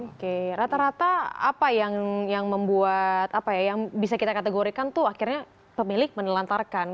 oke rata rata apa yang membuat apa ya yang bisa kita kategorikan tuh akhirnya pemilik menelantarkan